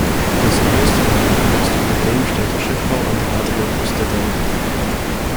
Das größte noch ungelöste Problem stellt der Schiffbau an der Adriaküste dar.